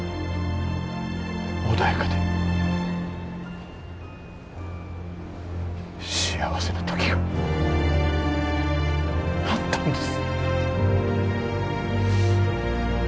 穏やかで幸せな時があったんです